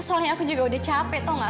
soalnya aku juga udah capek tau gak